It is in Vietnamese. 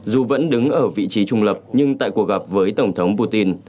dù vẫn đứng ở vị trí trung lập nhưng tại cuộc gặp với tổng thống putin